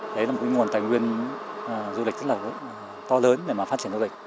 đấy là một nguồn tài nguyên du lịch rất là to lớn để mà phát triển du lịch